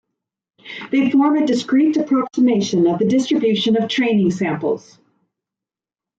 They form a discrete approximation of the distribution of training samples.